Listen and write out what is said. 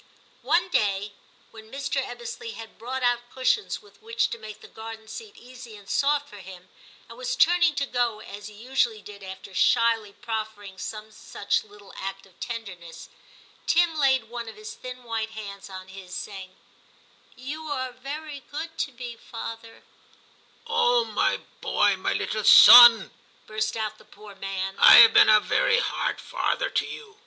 One day, when Mr. Ebbesley had brought out cushions with which to make the garden seat easy and soft for him, and was turning to go, as he usually did after shyly proffer ing some such little act of tenderness, Tim laid one of his thin white hands on his, saying, 'You are very good to me, father/ ' Oh ! my boy, my little son,' burst out the poor man, * I have been a very hard father to you.